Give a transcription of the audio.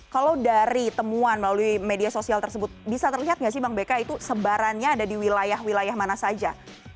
kalau dari temuan melalui media sosial tersebut bisa terlihat nggak sih bang beka itu sebarannya ada di wilayah wilayah mana saja